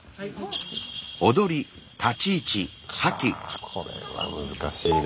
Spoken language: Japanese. あこれは難しいね。